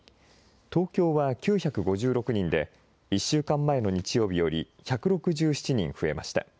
東京は９５６人で、１週間前の日曜日より１６７人増えました。